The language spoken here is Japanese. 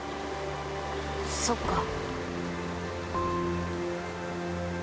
そっか。